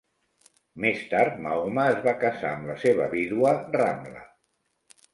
Més tard, Mahoma es va casar amb la seva vídua, Ramla.